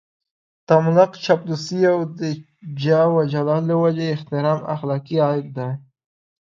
تملق، چاپلوسي او د جاه و جلال له وجهې احترام اخلاقي عيب دی.